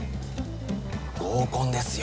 合コンですよ。